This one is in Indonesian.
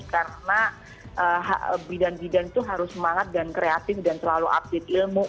karena bidan bidan itu harus semangat dan kreatif dan selalu update ilmu